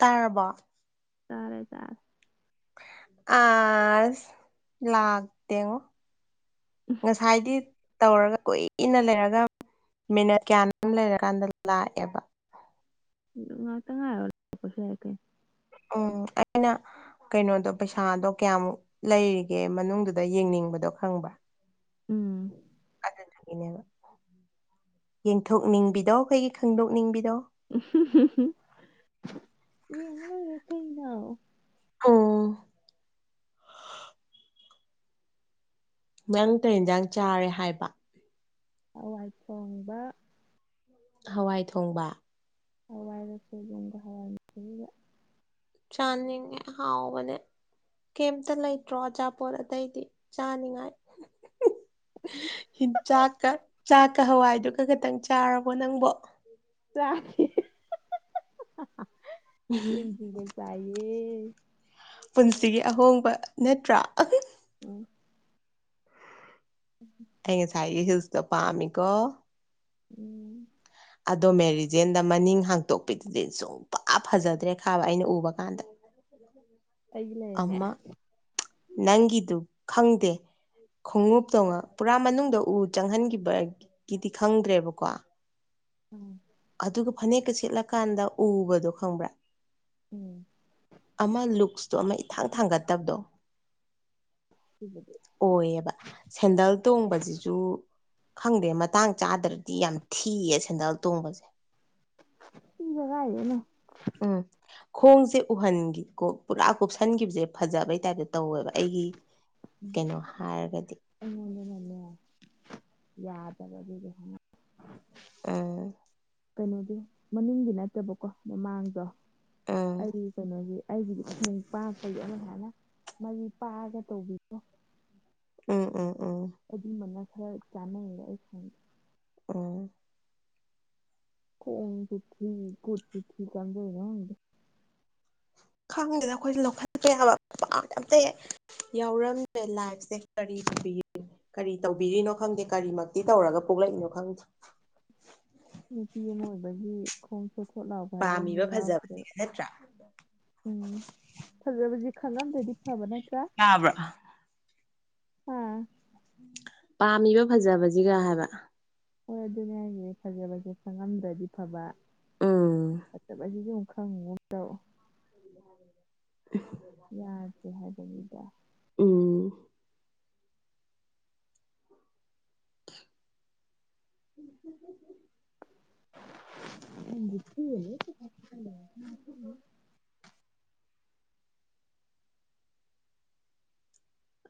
ꯇꯥꯔꯕꯣ ꯇꯔꯦ ꯇꯔꯦ ꯑꯁ ꯂꯥꯛꯇꯦꯉꯣ ꯉꯁꯥꯏꯗꯤ ꯇꯧꯔꯒ ꯀꯨꯏꯅ ꯂꯩꯔꯒ ꯃꯤꯅꯠ ꯀꯌꯥꯅꯣꯝ ꯂꯩꯔꯀꯥꯟꯗ ꯂꯥꯛꯑꯦꯕ ꯗꯨꯝ ꯉꯥꯛꯇ ꯉꯥꯏꯌ‌ꯣ [unintelligible] ꯎꯝ ꯑꯩꯅ ꯀꯩꯅꯣꯗꯣ ꯄꯩꯁꯥꯗꯣ ꯀꯌꯥꯃꯨꯛ ꯂꯩꯔꯤꯒꯦ ꯃꯅꯨꯡꯗꯨꯗ ꯌꯦꯡꯅꯤꯡꯕꯗꯣ ꯈꯪꯕ꯭ꯔꯥ ꯎꯝ [inaudible] ꯑꯗꯨꯗꯨꯒꯤꯅꯦꯕ ꯌꯦꯡꯊꯣꯛꯅꯤꯡꯕꯤꯗꯣ ꯑꯩꯈꯣꯏꯒꯤ ꯈꯪꯗꯣꯛꯅꯤꯡꯕꯤꯗꯣ ꯌꯦꯡꯉꯥ ꯂꯣꯏꯔꯦ ꯀꯩꯅꯣ ꯍꯨꯝ ꯅꯪ ꯀꯩ ꯏꯟꯖꯥꯡ ꯆꯥꯔꯦ ꯍꯥꯏꯕ ꯍꯋꯥꯏ ꯊꯣꯡꯕ ꯍꯋꯥꯏ ꯊꯣꯡꯕ ꯍꯋꯥꯏꯒ ꯁꯣꯏꯕꯨꯝꯒ ꯍꯋꯥꯏꯒ ꯊꯨꯝꯒ ꯆꯥꯥꯟꯅꯤꯉꯦ ꯍꯥꯎꯕꯅꯦ ꯀꯩꯝꯇ ꯂꯩꯇ꯭ꯔꯣ ꯑꯆꯥꯄꯣꯠ ꯑꯇꯩꯗꯤ ꯆꯥꯅꯤꯡꯉꯥꯏ ꯍꯤꯟꯆꯥꯛ ꯀ ꯆꯥꯛꯀ ꯍꯋꯥꯏꯗꯨꯒ ꯈꯛꯇꯪ ꯆꯥꯔꯕꯣ ꯅꯪꯕꯣ ꯆꯥꯒꯦ ꯁꯤꯡꯖꯨꯒ ꯆꯥꯏꯌꯦ ꯄꯨꯟꯁꯤꯒꯤ ꯑꯍꯣꯡꯕ ꯅꯠꯇ꯭ꯔꯥ ꯑꯍ ꯎꯝ [inaudible] ꯑꯩ ꯉꯥꯁꯥꯏꯒꯤ ꯍꯤꯜꯁꯇꯣ ꯄꯝꯃꯤꯀꯣ ꯎꯝ ꯑꯗꯣ ꯃꯦꯔꯤꯖꯦꯟꯗ ꯃꯅꯤꯡ ꯍꯥꯡꯇꯣꯛꯄꯤꯗꯨꯗꯤ ꯁꯨꯡꯐ ꯐꯖꯗ꯭ꯔꯦ ꯈꯥꯕ ꯑꯩꯅ ꯎꯕ ꯀꯥꯟꯗ ꯑꯩꯒꯤ ꯂꯩꯔꯝꯃꯦ ꯑꯃ ꯅꯪꯒꯤꯗꯨ ꯈꯪꯗꯦ ꯈꯣꯡꯎꯞꯇꯧꯅ ꯄꯨꯔꯥ ꯃꯅꯨꯡꯗ ꯎ ꯆꯪꯍꯟꯒꯤꯕꯒꯤꯗꯤ ꯈꯪꯗ꯭ꯔꯦꯕꯀꯣ ꯎꯝ ꯑꯗꯨꯒ ꯐꯅꯦꯛꯀ ꯁ‌ꯦꯠꯂꯀꯥꯟꯗ ꯎꯕꯗꯣ ꯈꯪꯕ꯭ꯔꯥ ꯎꯝ ꯑꯃ ꯂꯨꯛꯁꯇꯣ ꯑꯃ ꯏꯊꯥꯡ ꯊꯥꯡꯒꯠꯇꯕꯗꯣ [unintelligible] ꯑꯣꯏꯑꯦꯕ ꯁꯦꯟꯗꯜ ꯇꯣꯡꯕꯖꯤꯖꯨ ꯈꯪꯗꯦ ꯃꯇꯥꯡ ꯆꯥꯗ꯭ꯔꯗꯤ ꯌꯥꯝ ꯊꯤꯌꯦ ꯁꯦꯟꯗꯜ ꯇꯣꯡꯕꯖ‌ꯦ ꯏ ꯖꯦ ꯀꯥꯏꯗꯩꯅ [inaudible] ꯎꯝ ꯈꯣꯡꯖꯦ ꯎꯍꯟꯒꯤ ꯀꯣ ꯄꯨꯔꯥ ꯀꯨꯞꯁꯟꯈꯤꯕꯖꯦ ꯐꯖꯕꯩ ꯇꯥꯏꯞꯇ ꯇꯧꯋꯦꯕ ꯑꯩꯒꯤ ꯀꯩꯅꯣ ꯍꯥꯏꯔꯒꯗꯤ ꯑꯩꯉꯣꯟꯗꯅꯅꯦ ꯌꯥꯗꯕ ꯑꯗꯨꯗꯣ ꯈꯪꯉ ꯑꯝ ꯀꯩꯅꯣꯒꯤ ꯃꯅꯤꯡꯗꯤ ꯅꯠꯇꯕꯀꯣ ꯃꯃꯥꯡꯗꯣ ꯎꯝ ꯑꯩ ꯀꯩꯅꯣꯒꯤ ꯑꯩꯒꯤꯗꯤ ꯁꯨꯡꯄ ꯑꯃ ꯁꯥꯏꯅ ꯃꯔꯤ ꯄꯥꯛꯑꯒ ꯇꯧꯕꯤꯗꯣ ꯎꯝ ꯎꯝ ꯎꯝ ꯑꯗꯨꯝꯕꯅ ꯈꯔ ꯆꯥꯟꯅꯩꯌꯦꯦ ꯑꯩ ꯁꯣꯟꯗꯦ ꯑꯣ ꯈꯣꯡ ꯈꯨꯠꯇꯤ ꯀꯨꯠ ꯄꯨꯄꯨꯈꯤꯗ ꯍꯥꯝꯗꯣꯛ ꯏꯔꯥ ꯈꯪꯗꯦ ꯈꯥꯡꯗꯦꯗ ꯑꯩꯈꯣꯏꯖ ꯂꯧꯈꯠꯄ ꯌꯥꯕ ꯄꯥ ꯑꯝꯇꯥ ꯍꯦꯛ ꯌꯥꯎꯔꯝꯗꯔꯦ ꯂꯥꯏꯐꯁꯦ ꯀꯔꯤ ꯅꯨꯄꯤꯅꯣ ꯀꯔꯤ ꯇꯧꯕꯤꯔꯤꯅꯣ ꯈꯪꯗꯦ ꯀꯔꯤꯃꯛꯇꯤ ꯇꯧꯔꯒ ꯄꯣꯛꯂꯛꯏꯅꯣ ꯈꯪꯗꯦ ꯅꯨꯄꯤ ꯑꯃ ꯑꯣꯏꯕꯒꯤ ꯈꯣꯡ ꯈꯣꯠ ꯈꯣꯠ ꯂꯥꯎꯕ ꯍꯥꯏꯕ ꯑꯃ ꯄꯥꯝꯃꯤꯕ ꯌꯥꯎꯗꯔꯦꯕ ꯐꯖꯕꯁꯤꯒ ꯅꯠꯇ꯭ꯔꯥ ꯎꯝ ꯐꯖꯕꯖꯤ ꯈꯪꯉꯗꯗꯤ ꯐꯕ ꯅꯠꯇ꯭ꯔꯥ ꯌꯥꯥꯕ꯭ꯔꯥ ꯑꯥ ꯄꯥꯝꯃꯤꯕ ꯐꯖꯕꯁꯤꯒ ꯍꯥꯏꯕ ꯍꯣꯏ ꯑꯗꯨꯅꯦ ꯍꯥꯏꯖꯦ ꯐꯖꯥꯕꯁꯦ ꯈꯪꯉꯝꯗ꯭ꯔꯗꯤ ꯐꯥꯕ ꯎꯝ ꯐꯠꯇꯕꯅꯤꯀꯣ ꯈꯪꯒꯤꯒꯨꯝ ꯇꯧꯕ ꯎ [inaudible] ꯌꯥꯔꯁꯦ ꯍꯥꯏꯕꯅꯤꯗ ꯎꯝ [inaudible]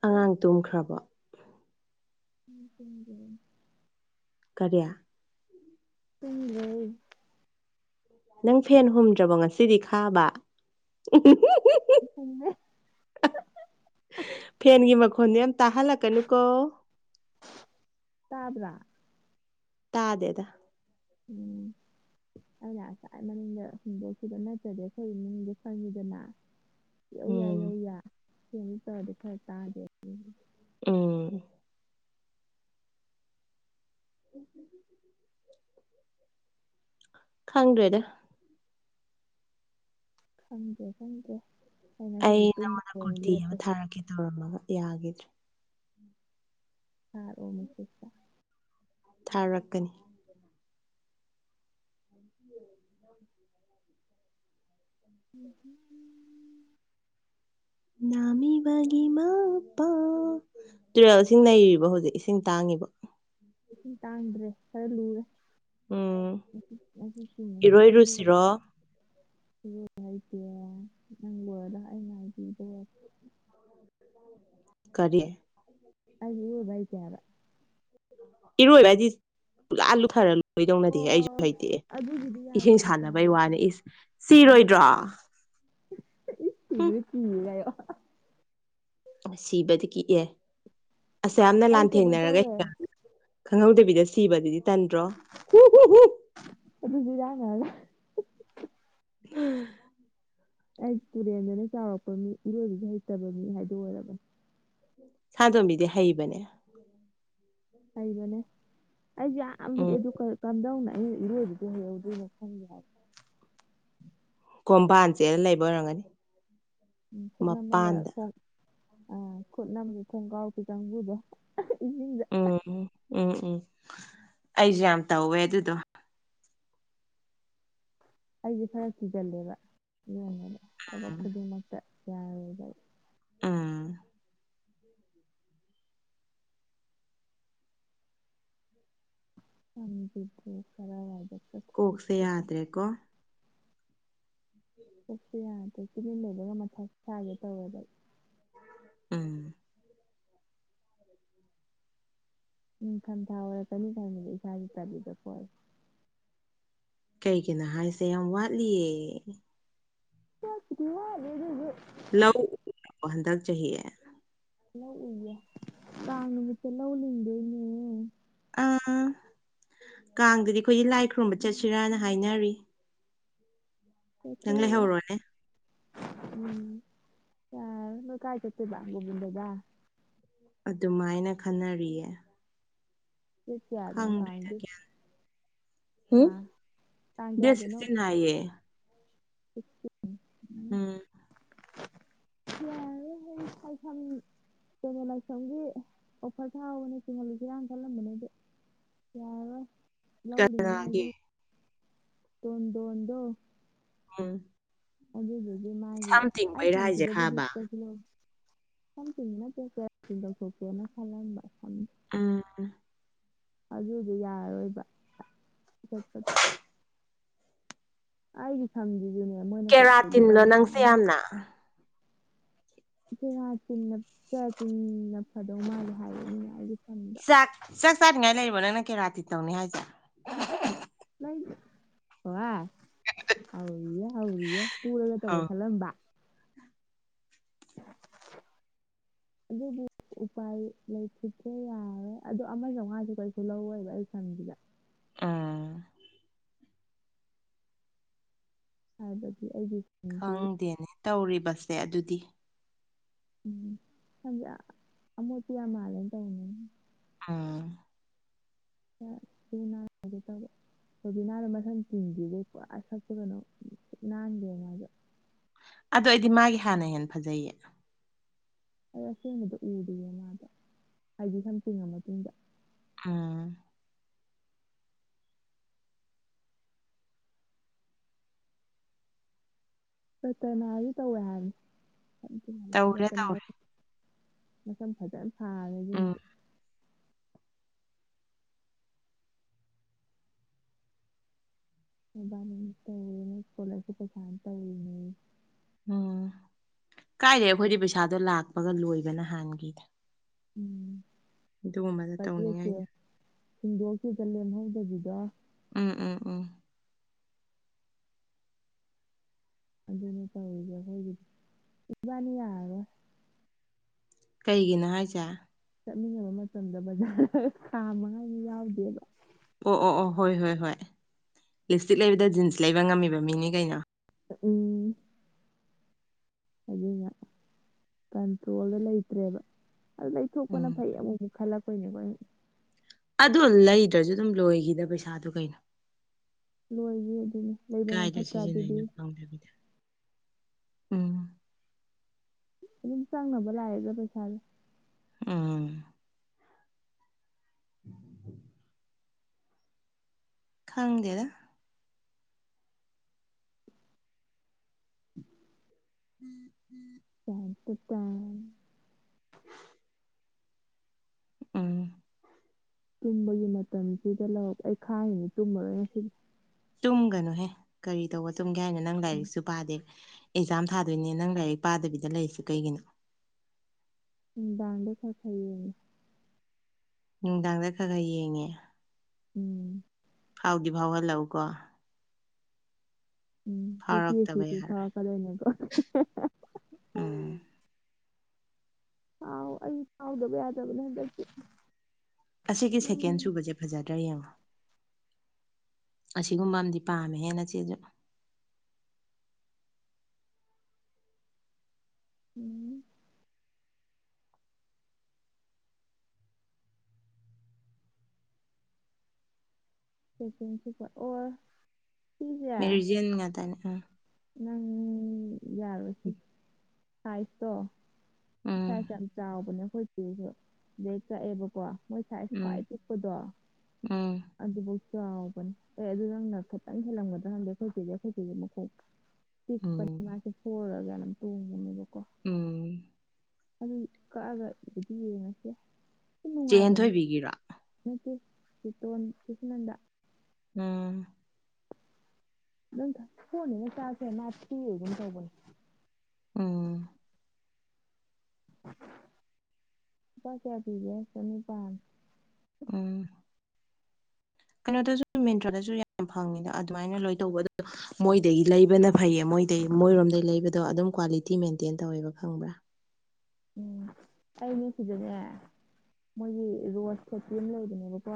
ꯑꯉꯥꯡ ꯇꯨꯝꯈ꯭ꯔꯕ [inaudible] ꯀꯔꯤ ꯇꯨꯝꯒꯤꯔꯣꯏ ꯑꯗꯣꯏꯅꯤ ꯅꯪ ꯐꯦꯟ ꯍꯨꯝꯗ꯭ꯔꯕꯣ ꯉꯁꯤꯗꯤ ꯈꯥꯕ ꯍꯨꯝꯃꯦ ꯐꯦꯟꯒꯤ ꯃꯈꯣꯟꯗꯣ ꯌꯥꯝ ꯇꯥꯍꯜꯂꯛꯀꯅꯨꯀꯣ ꯇꯥꯕ꯭ꯔꯥ ꯇꯥꯗꯦꯗ ꯎꯝ ꯑꯗꯨꯅ ꯉꯁꯥꯏ ꯃꯅꯤꯡꯗ ꯍꯣꯡꯗꯣꯛꯈꯤꯕꯈꯤꯕ ꯅꯠꯇ꯭ꯔꯗꯤ ꯑꯩꯈꯣꯏꯒꯤ ꯏꯅꯤꯡꯗ ꯐꯪꯈꯤꯗꯅ ꯌꯧ ꯌꯥ ꯌꯧ ꯎꯝ ꯌꯥ ꯇꯥꯗꯦ ꯈꯔ ꯇꯥꯗꯦ ꯎꯝ [inaudible] ꯈꯪꯗ꯭ꯔꯦꯗ ꯈꯪꯗ꯭ꯔꯦ ꯈꯪꯗꯦ ꯑꯩꯅ ꯁꯤꯁꯨ ꯑꯩ ꯇꯨꯝꯕ ꯅꯪꯉꯣꯟꯗ ꯑꯣꯏꯅ ꯀꯨꯔꯇꯤ ꯑꯃ ꯂꯦꯞꯄꯦ ꯊꯥꯔꯛꯀꯦ ꯇꯧꯔꯝꯃꯒ ꯌꯥꯈꯤꯗ꯭ꯔꯦ ꯁꯥꯔ ꯑꯣ ꯃꯁꯦ ꯊꯥꯔꯛꯀꯅꯤ ꯎꯝ ꯎ [inaudible] [unintelligible] ꯅꯥꯃꯤꯕꯒꯤ ꯃꯄꯥꯎ ꯇꯨꯔꯦꯜꯁꯤꯡ ꯅꯩꯔꯤꯕ ꯍꯧꯖꯤꯛ ꯏꯁꯤꯡ ꯇꯥꯡꯉꯤꯕ ꯏꯁꯤꯡ ꯇꯥꯡꯗ꯭ꯔꯦ ꯈꯔ ꯂꯨꯔꯦ ꯎꯝ ꯏꯔꯣꯏꯔꯨꯁꯤꯔꯣ [unintelligible] ꯏꯔꯣꯏ ꯍꯩꯇꯦ ꯅꯪ ꯂꯣꯏꯔꯒ ꯑꯩ ꯉꯥꯏꯕꯤ [unintelligible] ꯀꯔꯤ ꯑꯩꯗꯤ ꯏꯔꯣꯏꯕ ꯍꯩꯇꯦ ꯍꯥꯏꯕ ꯏꯔꯣꯏꯕꯗꯤ ꯄꯨꯔꯥ [unintelligible] ꯂꯣꯏꯗꯧ ꯅꯠꯇꯦꯍꯦ ꯑꯩꯁꯨ ꯑꯣ ꯍꯩꯇꯦ ꯑꯗꯨꯒꯤꯗꯤ ꯏꯁꯤꯡ ꯌꯥꯔꯣꯏꯌꯦ ꯁꯥꯟꯅꯕꯩ ꯆꯥꯎꯋꯤ ꯋꯥꯅꯤ ꯈꯔ ꯏꯁ ꯎꯝ ꯁꯤꯔꯣꯏꯗ꯭ꯔꯣ ꯍꯨꯝ [unintelligible] ꯁꯤꯕꯗꯤ ꯀꯤꯛꯑꯦ ꯑꯁ ꯌꯥꯝꯅ ꯑꯩ ꯀꯩꯅꯣ ꯂꯥꯟꯊꯦꯡꯅꯔꯒ ꯇꯧꯋꯦ ꯈꯪꯍꯧꯗꯕꯤꯗ ꯁꯤꯕꯗꯨꯗꯤ ꯇꯟꯗ꯭ꯔꯣ ꯑꯗꯨꯁꯨ ꯏꯔꯥꯛꯅꯔꯒ [unintelligible] ꯑꯩ ꯇꯨꯔꯦꯟꯗꯅ ꯆꯥꯎꯔꯛꯄ ꯃꯤ ꯏꯔꯣꯏꯕꯗꯤ ꯍꯩꯇꯕ ꯃꯤ ꯍꯥꯏꯗꯣ ꯑꯣꯏꯔꯕꯅꯦ ꯁꯅꯥꯇꯣꯝꯕꯤꯗꯤ ꯍꯩꯕꯅꯦ ꯍꯩꯕꯅꯦ ꯑꯩꯖꯨ ꯌꯥꯝ ꯂꯨꯔꯦ ꯎꯝ ꯑꯗꯨ ꯀꯝꯗꯧꯅ ꯑꯩꯅ ꯏꯔꯣꯏꯕꯖꯦ ꯍꯩꯍꯧꯗ꯭ꯔꯤꯅꯣ ꯈꯪꯗꯦ ꯍꯥꯏꯕ ꯀꯣꯝꯕꯥꯟ ꯆꯦꯜ ꯂꯩꯕ ꯑꯣꯏꯔꯝꯒꯅꯤ ꯎꯝ ꯈꯨꯠ ꯅꯝꯃꯒ ꯃꯄꯥꯟꯗ ꯈꯣꯡ ꯑ ꯈꯨꯠ ꯅꯝ [unintelligible] ꯈꯣꯡ ꯀꯥꯎꯕꯤ ꯀꯥꯡꯒꯨꯗꯣ [unintelligible] ꯏꯁꯤꯡꯗ ꯎꯝ ꯎꯝ ꯎꯝ ꯑꯩꯁꯨ ꯌꯥꯝ ꯇꯧꯋꯦ ꯑꯗꯨꯗꯣ ꯑꯩꯁꯦ ꯈꯔ ꯀꯤꯒꯜꯂꯦꯕ ꯑꯗꯨꯅꯅꯦꯕ ꯊꯕꯛ ꯎꯝ ꯈꯨꯗꯤꯡꯃꯛꯇ ꯌꯥꯔꯣꯏꯕ ꯎꯝ [unintelligible] ꯀꯣꯛꯁꯦ ꯌꯥꯗ꯭ꯔꯦ ꯀꯣ ꯀꯣꯛꯁꯨ ꯌꯥꯗ꯭ꯔꯦ [unintelligible] ꯂꯧꯕꯒ ꯃꯊꯥ ꯁꯥꯥꯒꯦ ꯇꯧꯋꯦꯕ ꯎꯝ ꯅꯤꯡꯊꯝꯊꯥ ꯑꯣꯏꯔꯛꯀꯅꯤ [unintelligible] ꯏꯁꯥꯁꯦ ꯇꯜꯂꯤꯗꯀꯣ ꯑꯩ ꯀꯩꯒꯤꯅꯣ ꯍꯥꯏꯁꯦ ꯌꯥꯝ ꯋꯥꯠꯂꯤꯌꯦ ꯋꯥꯠꯄꯨꯗꯤ ꯋꯥꯠꯂꯤ ꯑꯗꯨ ꯑꯣꯏꯖꯨ ꯂꯧ [inaudible] ꯍꯟꯗꯛ ꯆꯍꯤ ꯂꯧ ꯎꯏꯌꯦ ꯀꯥꯡ ꯅꯨꯃꯤꯠꯇ ꯂꯧ ꯂꯤꯡꯗꯣꯏꯅꯦ ꯑꯥ ꯀꯥꯡꯗꯗꯤ ꯑꯩꯈꯣꯏꯗꯤ ꯂꯥꯏ ꯈꯨꯔꯨꯝꯕ ꯆꯠꯁꯤꯔꯥꯅ ꯍꯥꯏꯅꯔꯤ ꯅꯪ ꯆꯠꯊꯣꯛꯎꯔꯣ ꯂꯩꯍꯧꯔꯣꯅꯦ ꯎꯝ ꯌꯥꯔ ꯅꯣꯏ ꯀꯥꯏ ꯆꯠꯇꯣꯏꯕ ꯒꯣꯕꯤꯟꯗꯗ ꯑꯗꯨꯃꯥꯏꯅ ꯈꯟꯅꯔꯤꯌꯦ [unintelligible] ꯀꯌꯥꯗꯅꯣ ꯈꯪꯗ꯭ꯔꯦꯗ [unintelligible] ꯒ꯭ꯌꯥꯟ ꯍꯨꯝ ꯍꯥꯥ ꯇꯥꯡ ꯗꯦꯠ ꯀꯌꯥꯗꯅꯣ ꯁꯤꯛꯁꯇꯤꯟ ꯍꯥꯏꯌꯦ [unintelligible] [inaudible] ꯌꯥꯔꯔꯣꯏ [unintelligible] [unintelligible] ꯂꯥꯏꯁꯝꯒꯤ ꯑꯣꯐꯔ ꯊꯥꯍꯧꯕꯅꯦ ꯇꯤꯡꯍꯜꯂꯨꯁꯤꯔꯥꯅ ꯈꯜꯂꯝꯕꯅꯦ ꯑꯗꯨ ꯌꯥꯔꯔꯣꯏ ꯂꯧ ꯂꯤꯡꯅꯤ ꯀꯅꯥꯒꯤ [unintelligible] ꯇꯣꯟꯗꯣꯟꯗꯣ ꯎꯝ ꯑꯗꯨꯗꯨꯗꯤ ꯃꯥꯒꯤ ꯁꯝ ꯑꯩ ꯇꯤꯡꯕꯩꯔꯥ ꯍꯥꯏꯁꯦ ꯁꯝꯁꯤꯗꯕꯨꯗꯤ ꯈꯥꯕ [unintelligible] ꯁꯝ ꯇꯤꯡꯕ ꯅꯠꯇꯦ ꯀꯦꯔꯥꯇꯤꯟ ꯇꯧꯊꯣꯛꯀꯦꯅ ꯈꯜꯂꯝꯕ ꯁꯝ ꯎꯝ ꯑꯗꯨꯗꯨ ꯌꯥꯔꯔꯣꯏꯕ ꯆꯠꯄ ꯑꯩꯒꯤ ꯁꯝꯖꯤꯖꯨꯅꯦ ꯃꯣꯏꯅ [inaudible] ꯂꯨꯄꯥ ꯂꯤꯁꯤꯡ ꯑꯃ ꯅꯥ ꯀꯦꯔꯥꯇꯤꯟꯅ ꯀꯦꯔꯥꯇꯤꯟꯅ ꯐꯗꯧ ꯃꯥꯜꯂꯦ ꯍꯥꯏꯌꯦ ꯃꯤꯅ ꯑꯩꯒꯤ ꯁꯝꯗꯣ ꯆꯥꯛ ꯆꯥꯛ ꯆꯥꯔꯤꯉꯥꯏ ꯂꯩꯔꯤꯕꯣ ꯅꯪꯅ ꯀꯦꯔꯥꯇꯤꯟ ꯇꯧꯅꯤ ꯍꯥꯏꯁꯦ ꯂꯩ [unintelligible] ꯍꯧꯔꯤꯌꯦ ꯍꯧꯔꯤꯌꯦ ꯄꯨꯔꯒ ꯇꯧꯒꯦ ꯑꯥꯎ ꯈꯜꯂꯝꯕ [inaudible] ꯑꯗꯨꯕꯨ ꯎꯄꯥꯏ ꯂꯩꯈꯤꯗ꯭ꯔꯦ ꯌꯥꯔꯣꯏ ꯑꯗꯣ ꯑꯃ ꯆꯧꯉꯥꯗꯤ ꯀꯩꯁꯨ ꯂꯧꯔꯣꯏꯕ ꯑꯩ ꯁꯝꯁꯤꯗ ꯑꯝ ꯍꯥꯏꯕꯗꯤ ꯑꯩꯒꯤ ꯁꯝꯗꯤ ꯈꯪꯗꯦꯅꯦ ꯇꯧꯔꯤꯕꯁꯦ ꯑꯗꯨꯗꯤ ꯎꯝ ꯈꯪꯗꯦ ꯑꯃꯣꯠꯄꯤ ꯌꯥꯝ ꯃꯥꯜꯂꯦꯅ ꯇꯧꯕꯅꯤ ꯎꯝ ꯅꯥꯗꯤ ꯅꯥꯗꯦ ꯇꯧꯕ ꯊꯣꯏꯕꯤꯅꯥꯗꯣ ꯃꯁꯟ ꯇꯤꯡꯒꯤꯕꯗꯩ ꯄꯨꯔꯥ ꯁꯛꯇꯣ ꯀꯩꯅꯣ ꯅꯥꯟꯗꯦ ꯃꯥꯏꯖꯨ ꯑꯗꯨ ꯑꯩꯗꯤ ꯃꯥꯒꯤ ꯍꯥꯟꯅ ꯍꯦꯟꯅ ꯐꯖꯩꯌꯦ ꯑꯗ ꯑꯁꯦꯡꯕꯗꯣ ꯎꯗꯤꯌꯦ ꯃꯥꯗꯣ ꯍꯥꯏꯗꯤ ꯁꯝ ꯇ ꯤꯡꯉ ꯃꯇꯨꯡꯗ ꯎꯝ ꯔꯇꯅꯥꯁꯨ ꯇꯧꯋꯦ ꯍꯥꯏꯕꯅꯤ ꯁꯝ ꯇꯤꯡꯍꯜꯂꯦ ꯇꯧꯔꯦ ꯔꯇꯅꯥ ꯇꯧꯔꯦ ꯃꯁꯝ ꯐꯖꯅ ꯐꯥꯔꯦ ꯎꯝ ꯑꯗꯨꯨꯝꯗꯤ ꯃꯕꯥꯅꯤ ꯇꯧꯔꯨꯅꯤ ꯏꯁꯀꯣꯂꯔꯁꯤꯞ ꯄꯩꯁꯥꯅꯤ ꯇꯧꯔꯤꯅꯦꯌꯦ ꯎꯝ ꯀꯥꯏꯗꯩ ꯑꯩꯈꯣꯏꯗꯤ ꯄꯩꯁꯥꯗꯣ ꯂꯥꯛꯄꯒ ꯂꯣꯏꯕ ꯍꯥꯟꯒꯤꯗ ꯎꯝ ꯑꯗꯨꯒꯨꯝꯕꯗ ꯐꯔꯦꯁꯦ ꯇꯧꯅꯤꯡꯉꯥꯏꯗ ꯁꯤꯡꯗꯣꯛꯈꯤꯕꯗ ꯂꯦꯝꯍꯧꯗꯕꯤꯗꯣ ꯎꯝ ꯎꯝ ꯎꯝ ꯑꯗꯨꯅꯦ ꯇꯧꯔꯤꯁꯦ ꯑꯩꯈꯣꯏꯒꯤꯗꯤ ꯏꯕꯥꯅꯤ ꯌꯥꯔꯔꯣꯏ ꯀꯩꯒꯤꯅꯣ ꯍꯥꯏꯁꯦ ꯆꯠꯃꯤꯟꯅꯕ ꯃꯇꯝꯗ ꯕꯖꯥꯔꯗ ꯈꯥꯝꯃꯉꯥꯏꯁꯨ ꯌꯥꯎꯗꯦꯕ ꯑꯣ ꯑꯣ ꯑꯣ ꯍꯣꯏ ꯍꯣꯏ ꯍꯣꯏ ꯂꯤꯞꯁꯇꯤꯛ ꯂꯩꯕꯗ ꯖꯤꯟꯁ ꯂꯩꯕ ꯉꯝꯃꯤꯕ ꯃꯤꯅꯤ ꯀꯩꯅꯣ ꯎꯝ ꯍꯥꯏꯗꯤꯅꯦ ꯀꯟꯇ꯭ꯔꯣꯜꯗ ꯂꯩꯇ꯭ꯔꯦꯕ ꯑꯗꯨ ꯂꯩꯊꯣꯛꯄꯅ ꯎꯝ ꯐꯩ ꯑꯃꯨꯛꯃꯨꯛ ꯈꯜꯂꯛꯄꯣꯏꯅꯦꯕꯥ ꯑꯩꯅꯥ ꯑꯗꯨ ꯂꯩꯗ꯭ꯔꯁꯨ ꯑꯗꯨꯝ ꯂꯣꯏꯒꯤꯗ ꯄꯩꯁꯥꯗꯨ ꯀꯩꯅꯣ ꯂꯣꯏꯒꯤ ꯑꯗꯨꯅꯤ ꯂꯩꯕꯅ ꯀꯥꯏꯗ ꯐꯠꯇ꯭ꯔꯥ ꯑꯗꯨꯗꯤ ꯁꯤꯖꯤꯟꯅꯩꯩꯅꯣ ꯈꯪꯗꯕꯤꯗ ꯎꯝ ꯑꯗꯨꯝ ꯆꯪꯅꯕ ꯂꯥꯛꯑꯦꯕ ꯄꯩꯁꯥꯥꯁꯦ ꯎꯝ ꯎ [unintelligible] ꯈꯪꯗꯦꯗ [inaudible] ꯄꯀꯤꯇꯥꯟ [unintelligible] ꯎ [unintelligible] ꯎꯝ ꯇꯨꯝꯕꯒꯤ ꯃꯇꯝꯁꯤꯗ ꯂꯧꯔꯛ ꯑꯩ ꯈꯥꯡꯉꯅꯤ ꯇꯨꯝꯃꯔꯣꯏ ꯉꯁꯤ ꯇꯨꯝꯒꯅꯨꯍꯦ ꯀꯔꯤ ꯇꯧꯕ ꯇꯨꯝꯒꯦ ꯍꯥꯏꯅꯣ ꯅꯪ ꯎꯝ ꯂꯥꯏꯔꯤꯛꯁꯨ ꯄꯥꯗꯦ ꯑꯦꯛꯖꯥꯝ ꯊꯥꯗꯣꯏꯅꯦ ꯅꯪ ꯂꯥꯏꯔꯤꯛ ꯄꯥꯗꯕꯤꯗ ꯂꯩꯔꯤꯁꯤ ꯀꯩꯒꯤꯅꯣ ꯅꯨꯡꯗꯥꯡꯗ ꯈꯔꯥ ꯈꯔꯥ ꯌꯦꯡꯉꯤ ꯅꯨꯡꯗꯥꯡꯗ ꯈꯔ ꯈꯔ ꯌꯦꯡꯉꯦ ꯎꯝ ꯐꯥꯎꯗꯤ ꯐꯥꯎꯍꯜꯂꯛꯎ ꯀꯣ ꯎꯝ ꯐꯥꯎꯔꯛꯇꯕ [unintelligible] ꯌꯥꯔꯣꯏ ꯐꯔꯛꯀꯗꯣꯏꯅꯦꯀꯣ ꯎꯝ ꯐꯥꯎ ꯑꯩꯁꯨ ꯐꯥꯎꯗꯕ ꯌꯥꯗꯕꯅꯦ ꯍꯟꯗꯛꯇꯤ ꯑꯁꯤꯒꯤ ꯁꯦꯀꯦꯟ ꯁꯨꯕꯁꯦ ꯐꯖꯗ꯭ꯔ ꯌꯦꯡꯉꯣ ꯑꯁꯤꯒꯨꯝꯕ ꯑꯃꯗꯤ ꯄꯥꯝꯃꯦ ꯍꯦ ꯅꯆꯦꯁꯨ ꯎꯝ꯫ [inaudible] ꯁꯤꯁꯦ ꯃꯦꯔꯤꯖꯤꯌꯟ ꯉꯥꯇꯅꯤ ꯑ꯫ ꯅꯪ ꯌꯥꯔꯣꯏꯁꯤ ꯁꯥꯏꯖꯇꯣ ꯁꯥꯏꯖ ꯌꯥꯝ ꯎꯝ ꯆꯥꯎꯕꯅꯦ ꯑꯩꯈꯣꯏ ꯆꯦꯁꯨ ꯗꯩ ꯀꯛꯑꯦꯕꯀꯣ꯫ ꯃꯣꯏ ꯁꯥꯏꯖ ꯈ꯭ꯋꯥꯏ ꯄꯤꯛꯄꯗꯣ ꯎꯝ꯫ ꯑꯗꯨꯕꯧ ꯆꯥꯎꯕꯅꯦ ꯑꯦ ꯑꯗꯨ ꯅꯪꯅ ꯈꯤꯇꯪ ꯍꯦꯜꯂꯝꯒꯗ꯭ꯔꯥ ꯈꯪꯗꯦ ꯑꯩꯈꯣꯏ ꯆꯦꯗꯩ ꯑꯩꯈꯣꯏ ꯆꯦꯗꯤ ꯃꯈꯣꯡ [inaudible] ꯄꯤꯛꯄꯅꯤ ꯃꯥꯁꯦ ꯐꯣꯔꯔ ꯀꯌꯥ ꯅꯣꯝꯃ ꯇꯣꯡꯕꯅꯦꯕꯀꯣ꯫ ꯎꯝ꯫ ꯑꯗꯨ ꯀꯛꯑꯒ [unintelligible] ꯌꯦꯡꯉꯁꯦ꯫ ꯌꯥꯝ ꯆꯦ ꯅꯨꯡꯉꯥꯏꯕꯅꯦ ꯍꯦꯟꯊꯣꯏꯕꯤꯒꯤꯔꯣ꯫ ꯅꯠꯇꯦ ꯆꯦꯇꯣꯟ ꯁꯤꯁꯅꯟꯗ꯫ ꯎꯝ꯫ [inaudible] ꯎꯝ꯫ ꯂꯨꯄꯥ ꯀꯌꯥ ꯄꯤꯒꯦ ꯆꯅꯤꯄꯥꯟ꯫ ꯎꯝ꯫ ꯀꯩꯅꯣꯗꯁꯨ ꯃꯤꯟꯇ꯭ꯔꯣꯗꯁꯨ ꯌꯥꯝ ꯐꯪꯉꯤꯗ ꯑꯗꯨꯃꯥꯏꯅ ꯂꯣꯏ ꯇꯧꯕ ꯑꯗꫭ ꯃꯣꯏꯗꯒꯤ ꯂꯩꯕꯅ ꯐꯩꯌꯦ ꯃꯣꯏꯗꯒꯤ ꯃꯣꯏꯔꯣꯝꯗꯩ ꯂꯩꯕꯗꯣ ꯑꯗꯨꯝ ꯀ꯭ꯋꯥꯂꯤꯇꯤ ꯃꯦꯟꯇꯦꯟ ꯇꯧꯋꯦꯕ ꯈꯪꯕ꯭ꯔꯥ꯫ ꯎꯝ ꯑꯩꯅꯦ ꯁꯤꯗꯅꯦ ꯃꯣꯏꯒꯤ ꯔꯣꯁ ꯊꯠꯄꯦꯤ ꯑꯃ ꯂꯩꯕꯅꯦꯕꯀꯣ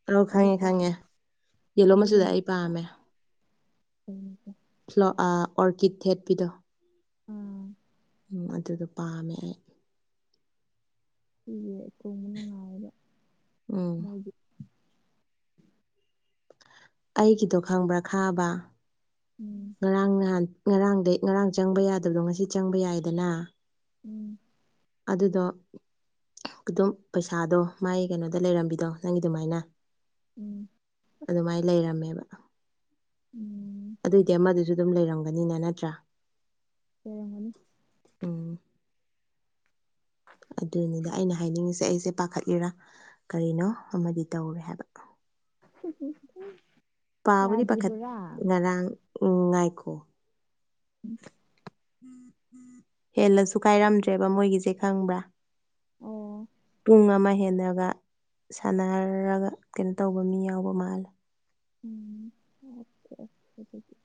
[unintelligible] ꯑꯗꯨ ꯄꯥꯝꯃꯦ ꯈꯪꯉꯦ-ꯈꯪꯉꯦ ꯌꯦꯂꯣ ꯑꯗꯨꯗꯨꯝ ꯃꯆꯨꯗꫭ ꯑꯩ ꯄꯥꯝꯃꯦ꯫ [inaudible] ꯐ꯭ꯂꯣ ꯑ ꯑꯣꯔꯀꯤꯠ ꯊꯦꯠꯄꯤꯗꯣ꯫ ꯑꯥ꯫ ꯎꯝ ꯑꯗꯨꯗꯣ ꯄꯥꯝꯃꯦ ꯑꯩ꯫ ꯁꯤꯁꯦ ꯇꯣꯡꯕ ꯅꯨꯡꯉꯥꯏꯕ꯫ ꯎꯝ꯫ ꯑꯩꯒꯤꯗꯣ ꯈꯪꯕ꯭ꯔꯥ ꯈꯥꯕ ꯎꯝ ꯉꯔꯥꯡ ꯅꯍꯥꯟ ꯉꯔꯥꯡꯗꯩ ꯉꯔꯥꯡ ꯆꯪꯕ ꯌꯥꯗꯕꯗꯣ ꯉꯁꯤ ꯆꯪꯕ ꯌꯥꯏꯗꯅ꯫ ꯎꯝ꯫ ꯑꯗꯨꯗꯣ ꯑꯗꯨꯝ ꯄꯩꯁꯥꯗꯣ ꯃꯥꯏ ꯀꯩꯅꯣꯗ ꯂꯩꯔꯝꯕꯤꯗꯣ ꯅꯪꯒꯤ ꯑꯗꯨꯃꯥꯏꯅ꯫ ꯎꯝ꯫ ꯑꯗꯨꯃꯥꯏ ꯂꯩꯔꯝꯃꯦꯕ꯫ ꯎꯝ꯫ ꯑꯗꯨꯑꯣꯏꯗꯤ ꯑꯃꯗꯨꯁꯨ ꯑꯗꯨꯝ ꯂꯩꯔꯝꯒꯅꯤꯅ ꯅꯠꯇ꯭ꯔꯥ꯫ ꯂꯩꯔꯝꯒꯅꯤ꯫ ꯎꯝ꯫ ꯑꯗꯨꯅꯤꯗ ꯑꯩꯅ ꯍꯥꯏꯅꯤꯡꯉꯤꯁꯦ ꯑꯩꯁꯦ ꯄꯥꯈꯠꯂꯤꯔꯥ ꯀꯔꯤꯅꯣ ꯑꯃꯗꯤ ꯇꯧꯔꯦ ꯍꯥꯏꯕ꯫ [unintelligible] ꯄꯥꯕꯨꯗꯤ ꯄꯥꯈꯠ ꯌꯥꯗ꯭ꯔꯤꯕꯔꯥ ꯉꯔꯥꯡ ꯉꯥꯏꯈꯣ꯫ [unintelligible] ꯍꯦꯜꯂꯁꯨ ꯀꯥꯏꯔꯝꯗ꯭ꯔꯦꯕ ꯃꯣꯏꯒꯤꯁꯦ ꯈꯪꯕ꯭ꯔꯥ꯫ ꯑꯣ ꯄꯨꯡ ꯑꯃ ꯍꯦꯟꯅꯒ ꯁꯥꯟꯅꯔꯒ ꯀꯩꯅꯣ ꯇꯧꯕ ꯃꯤ ꯌꯥꯎꯕ ꯃꯥꯜꯂꯦ꯫ [inaudible]